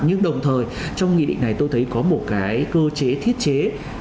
nhưng đồng thời trong nghị định này tôi thấy có một cái cơ chế thiết chế